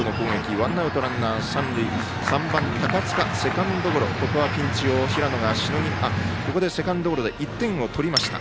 ワンアウト、ランナー、三塁３番、高塚セカンドゴロで１点を取りました。